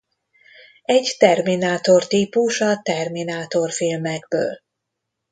Egy terminátor típus a Terminátor filmekből.